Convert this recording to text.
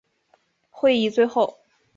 会议最后